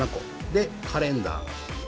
でカレンダー。